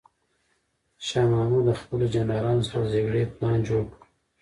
شاه محمود د خپلو جنرالانو سره د جګړې پلان جوړ کړ.